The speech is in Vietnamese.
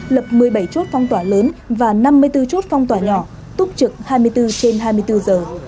lập một mươi bảy chốt phong tỏa lớn và năm mươi bốn chốt phong tỏa nhỏ túc trực hai mươi bốn trên hai mươi bốn giờ